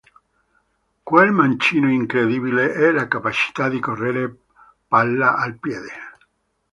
Quel mancino incredibile e la capacità di correre palla al piede.